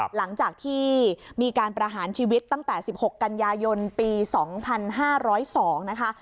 หลังจากที่มีการประหารชีวิตตั้งแต่๑๖กันยายนปี๒๕๐๒นะคะ